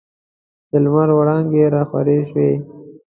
د لمر وړانګي راخورې سوې.